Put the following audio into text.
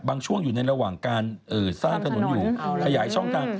ช่วงอยู่ในระหว่างการสร้างถนนอยู่ขยายช่องทาง